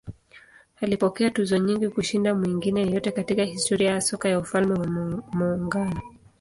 Alipokea tuzo nyingi kushinda mwingine yeyote katika historia ya soka ya Ufalme wa Muungano.